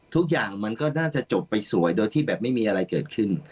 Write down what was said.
ทุกอย่างมันก็น่าจะจบไปสวยโดยที่แบบไม่มีอะไรเกิดขึ้น